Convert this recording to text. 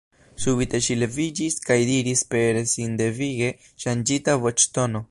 Subite ŝi leviĝis kaj diris per sindevige ŝanĝita voĉtono: